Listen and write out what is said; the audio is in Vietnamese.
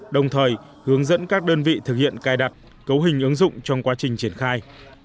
đồng thời hướng dẫn các đơn vị thực hiện cài đặt cấu hình ứng dụng trong quá trình triển khai